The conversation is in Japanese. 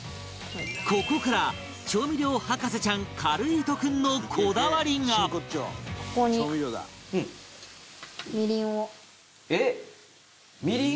ここから調味料博士ちゃんかるぃーと君のこだわりがえっ？みりん？